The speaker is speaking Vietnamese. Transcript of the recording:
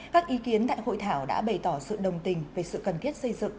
các ý kiến tại hội thảo đã bày tỏ sự đồng tình về sự cần thiết xây dựng